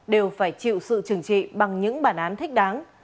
đều phải chịu sự trừng trị bằng những bản án thích đáng